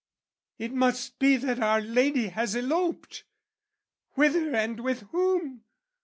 "It must be that our lady has eloped!" "Whither and with whom?"